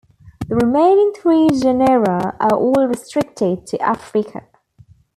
The remaining three genera are all restricted to Africa.